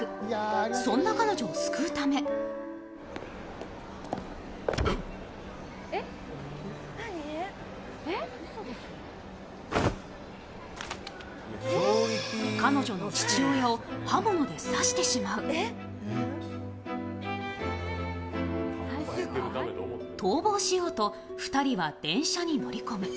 そんな彼女を救うため逃亡しようと２人は電車に乗り込む。